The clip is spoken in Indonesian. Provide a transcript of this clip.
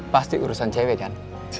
pasti urusan cewe kan